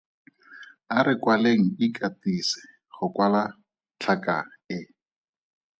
A re kwaleng Ikatise go kwala tlhaka e.